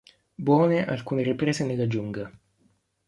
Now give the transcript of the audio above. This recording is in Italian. Buone alcune riprese nella giungla.